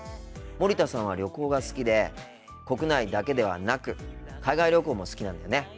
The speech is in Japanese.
森田さんは旅行が好きで国内だけではなく海外旅行も好きなんだよね。